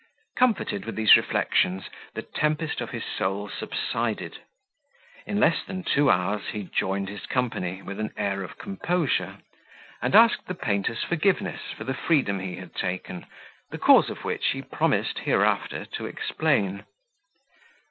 Comforted with these reflections, the tempest of his soul subsided. In less than two hours he joined his company with an air of composure, and asked the painter's forgiveness for the freedom he had taken, the cause of which he promised hereafter to explain.